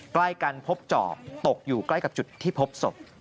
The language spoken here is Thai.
ใกล้กันพบจอบตกอยู่ใกล้กับจุดที่พบศพ